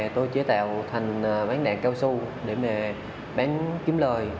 tôi chế tạo thành bán đạn cao su để mà bán kiếm lời